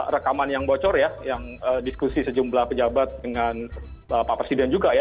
rekaman yang bocor ya yang diskusi sejumlah pejabat dengan pak presiden juga ya